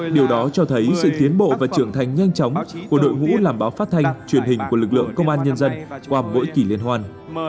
điều đó cho thấy sự tiến bộ và trưởng thành nhanh chóng của đội ngũ làm báo phát thanh truyền hình của lực lượng công an nhân dân qua mỗi kỷ liên hoàn